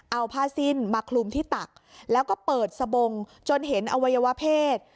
เอาผ้าสิ้นมาคลุมที่ตักแล้วก็เปิดสบงจนเห็นอวัยวะเพศ